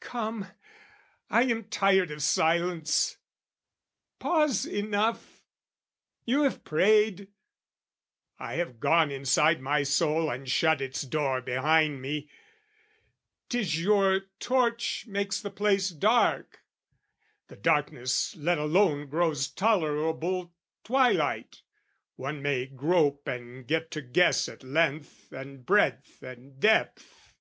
Come, I am tired of silence! Pause enough! You have prayed: I have gone inside my soul And shut its door behind me: 'tis your torch Makes the place dark, the darkness let alone Grows tolerable twilight, one may grope And get to guess at length and breadth and depth.